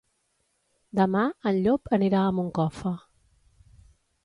Demà en Llop anirà a Moncofa.